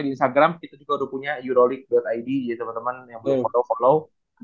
di instagram kita juga udah punya euroleague id ya teman teman yang boleh follow follow